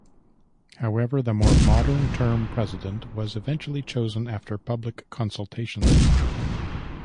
However, the more modern term president was eventually chosen after public consultations.